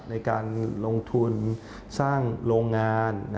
ในการลงทุนสร้างโรงงาน